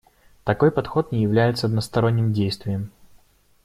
Такой подход не является односторонним действием.